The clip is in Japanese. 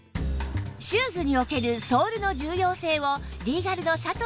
シューズにおけるソールの重要性をリーガルの佐藤さんに伺いました